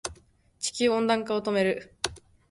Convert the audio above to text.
地球温暖化を止める